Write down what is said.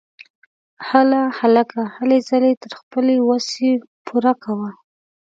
هله هلکه ! هلې ځلې تر خپلې وسې پوره کوه!